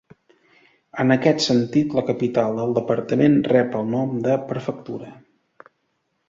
En aquest sentit, la capital del departament rep el nom de prefectura.